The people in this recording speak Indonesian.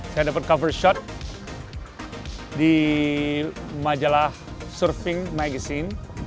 saya dapat cover short di majalah surfing magazine